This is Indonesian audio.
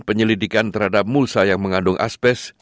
penyelidikan terhadap mulsaf yang mengandung asbest